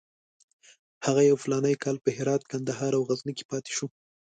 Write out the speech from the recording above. هغه یو فلاني کال په هرات، کندهار او غزني کې پاتې شو.